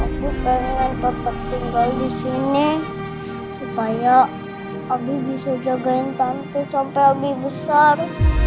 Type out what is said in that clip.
aku pengen tetap tinggal disini supaya abi bisa jagain tante sampai abi besar